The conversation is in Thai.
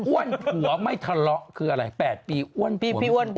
อ้วนหัวไม่ทะเลาะคืออะไร๘ปีอ้วนพี่อ้วน